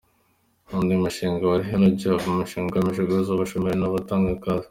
Undi mushinga wari HelloJob, umushinga ugamije guhuza abashomeri n’abatanga akazi.